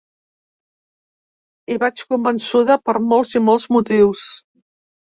Hi vaig convençuda, per molts i molts motius.